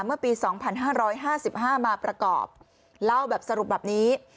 เมื่อปี๒๕๕๕มาประกอบเล่าแบบสรุปแบบนี้